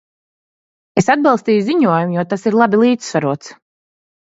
Es atbalstīju ziņojumu, jo tas ir labi līdzsvarots.